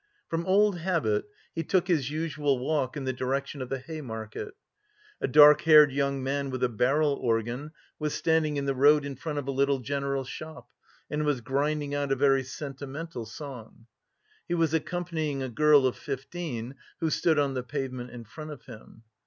From old habit he took his usual walk in the direction of the Hay Market. A dark haired young man with a barrel organ was standing in the road in front of a little general shop and was grinding out a very sentimental song. He was accompanying a girl of fifteen, who stood on the pavement in front of him.